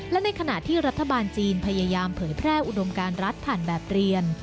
และในขณะที่รัฐบาลจีนพยายามเผยแพร่อุดมการรัฐผ่านแบบเรียน